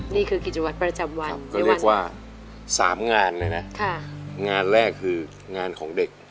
นี่คือกิจวัตรประจำวันก็เรียกว่า๓งานเลยนะงานแรกคืองานของเด็ก